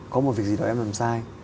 có một việc gì đó em làm sai